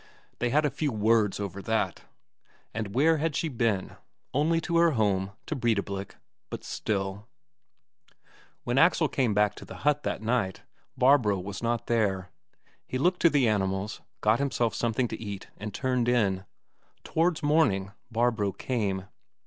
They had a few words over that. And where had she been? Only to her home, to Breidablik, but still ... When Axel came back to the hut that night, Barbro was not there; he looked to the animals, got himself something to eat, and turned in. Towards morning Barbro came.